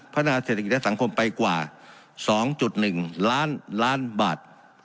นาเศรษฐกิจและสังคมไปกว่า๒๑ล้านล้านบาท